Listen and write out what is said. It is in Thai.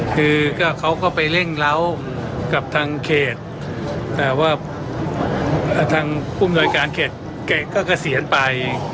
คือเขาก็ไปเร่งเล้ากับทางเขตแต่ว่าทางผู้มนวยการเขตก็เกษียณไป